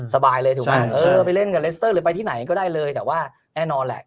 สบายเลยถูกไหมเออไปเล่นกับเลสเตอร์หรือไปที่ไหนก็ได้เลยแต่ว่าแน่นอนแหละ